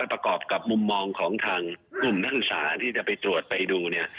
ประกอบกับมุมมองของทางกลุ่มนักอุตส่าห์ที่จะไปตรวจไปดู